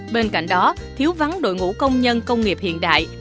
bên cạnh đó thiếu vắng đội ngũ công nhân công nghiệp hiện đại